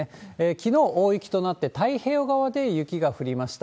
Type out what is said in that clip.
きのう、大雪となって、太平洋側で雪が降りました。